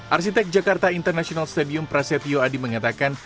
arsitek jakarta international stadium prasetyo adi mengatakan